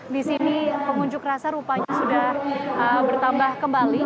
di sini pengunjuk rasa rupanya sudah bertambah kembali